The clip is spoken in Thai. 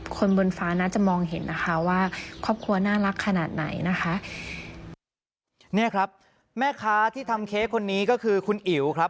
คนบนฟ้าน่าจะมองเห็นนะคะว่าครอบครัวน่ารักขนาดไหนนะคะเนี่ยครับแม่ค้าที่ทำเค้กคนนี้ก็คือคุณอิ๋วครับ